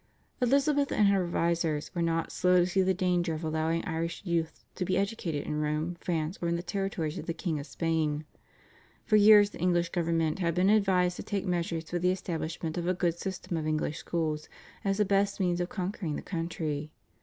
Elizabeth and her advisers were not slow to see the danger of allowing Irish youths to be educated in Rome, France, or in the territories of the King of Spain. For years the English government had been advised to take measures for the establishment of a good system of English schools as the best means of conquering the country.